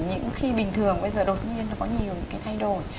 những khi bình thường bây giờ đột nhiên nó có nhiều những cái thay đổi